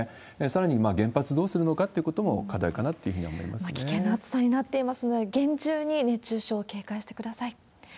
さらに、原発どうするのかっていうことも課題かなというふうには危険な暑さになっていますので、厳重に熱中症、警戒してください。